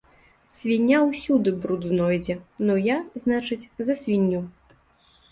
Свіння ўсюды бруд знойдзе, ну я, значыць, за свінню.